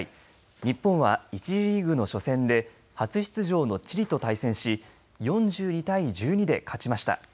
日本は、１次リーグの初戦で初出場のチリと対戦し４２対１２で勝ちました。